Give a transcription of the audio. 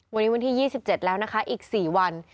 วันนี้วันที่๒๗แล้วนะคะอีก๔วัน